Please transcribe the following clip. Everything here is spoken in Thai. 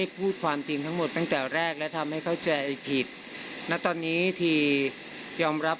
ผู้ชายครับ